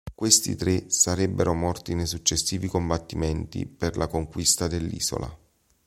Questi tre sarebbero morti nei successivi combattimenti per la conquista dell'isola.